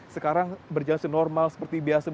sekarang berjalan normal seperti biasa